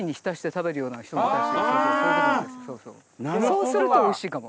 そうするとおいしいかも。